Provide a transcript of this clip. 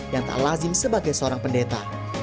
dan tak lazim sebagai seorang pendeta